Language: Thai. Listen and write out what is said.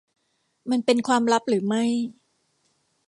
มันเป็นความลับหรือไม่ ?